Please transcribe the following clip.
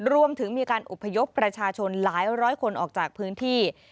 รวมถึงมีการอบพยพประชาชนหลายร้อยคนออกจากพื้นที่